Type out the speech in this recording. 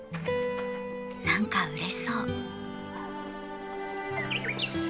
なんか、うれしそう。